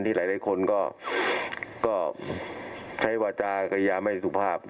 หลายคนก็ใช้วาจากยาไม่สุภาพ